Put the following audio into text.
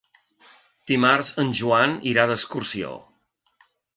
Dimarts en Joan irà d'excursió.